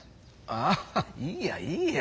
あいいよいいよ。